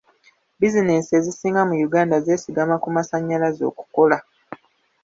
Bizinensi ezisinga mu Uganda zesigama ku masannyalaze okukola.